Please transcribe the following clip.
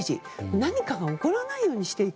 何かが起こらないようにしていく。